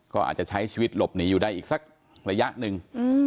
ก็อาจจะใช้ชีวิตหลบหนีอยู่ได้อีกสักระยะหนึ่ง